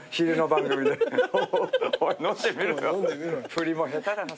振りも下手だな。